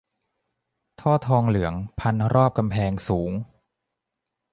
ท่อทองเหลืองพันรอบกำแพงสูง